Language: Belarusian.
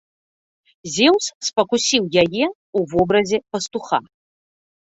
Зеўс спакусіў яе ў вобразе пастуха.